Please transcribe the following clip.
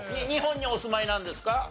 日本にお住まいなんですか？